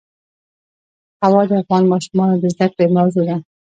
هوا د افغان ماشومانو د زده کړې موضوع ده.